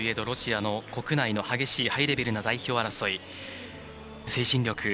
ロシアの国内の激しいハイレベルな代表争い